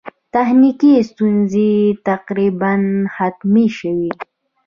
تخنیکي ستونزې تقریباً ختمې شوې.